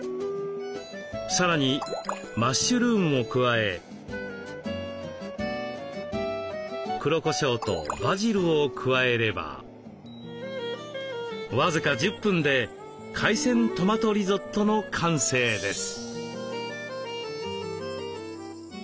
さらにマッシュルームも加え黒こしょうとバジルを加えれば僅か１０分で海鮮トマトリゾットの完成です。